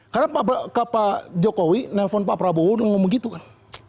karena pak jokowi nelfon pak prabowo dan ngomong gitu kan